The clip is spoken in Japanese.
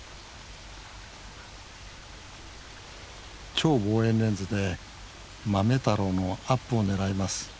超望遠レンズでまめたろうのアップを狙います。